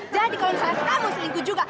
jadi kalau misalnya kamu selingkuh juga